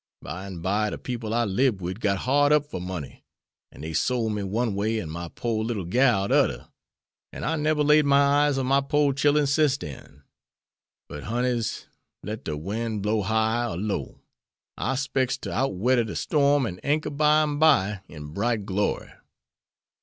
Bimeby de people I libed wid got hard up fer money, an' dey sole me one way an' my pore little gal de oder; an' I neber laid my eyes on my pore chillen sence den. But, honeys, let de wind blow high or low, I 'spects to outwedder de storm an' anchor by'm bye in bright glory.